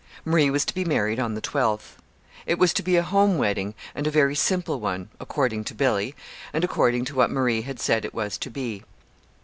Marie was to be married the twelfth. It was to be a home wedding, and a very simple one according to Billy, and according to what Marie had said it was to be.